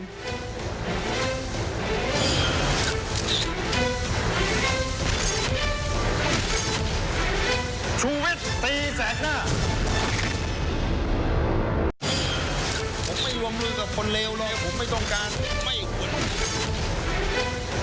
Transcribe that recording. ผมไม่วงมือกับคนเลวเลยผมไม่ต้องการไม่ควร